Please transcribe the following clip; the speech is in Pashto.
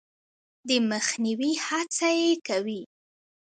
د مخنیوي هڅه یې کوي.